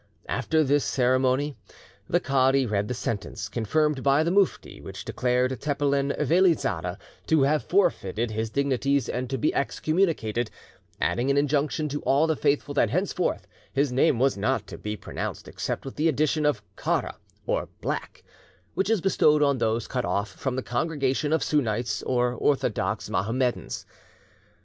After this ceremony, the cadi read the sentence, confirmed by the Mufti, which declared Tepelen Veli Zade to have forfeited his dignities and to be excommunicated, adding an injunction to all the faithful that henceforth his name was not to be pronounced except with the addition of "Kara," or "black," which is bestowed on those cut off from the congregation of Sunnites, or Orthodox Mohammedans.